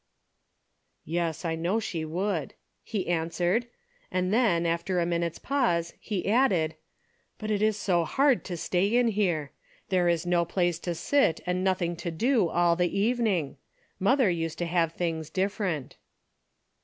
" Yes, I know she would," he answered, and then, after a minute's pause, he added, " but it is so hard to stay in here. There is no place to sit and nothing to do all the evening. Mother used to have things different."